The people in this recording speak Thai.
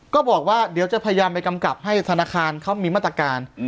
ก็บอกว่าเดี๋ยวจะพยายามไปกำกับให้ธนาคารเขามีมาตรการ